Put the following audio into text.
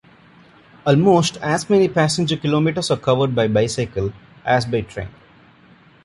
Almost as many passenger kilometres are covered by bicycle as by train.